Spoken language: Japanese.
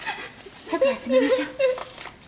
ちょっと休みましょう。